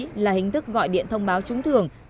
đáng chú ý là hình thức gọi điện thông báo trúng thường